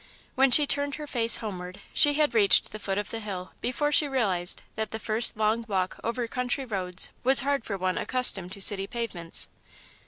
When she turned her face homeward, she had reached the foot of the hill before she realised that the first long walk over country roads was hard for one accustomed to city pavements.